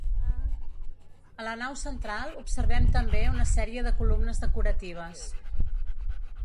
A la nau central observem també una sèrie de columnes decoratives.